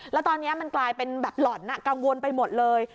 แล้วตอนนี้มันกลายเป็นแบบหล่อนกังวลไปหมดเลย